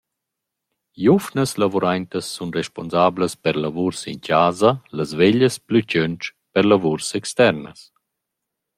Giuvnas lavuraintas sun respunsablas per lavuors in chasa, las veglias plüchöntsch per lavuors externas.